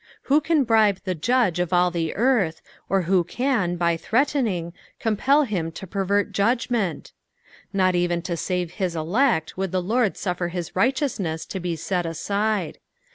Who can bribe the Judge oT all the earth, or who can, hy threatening, compel him to pervert judgment ? Not eren to save his elect would the Lord suJSer his righteousneas to be set aside.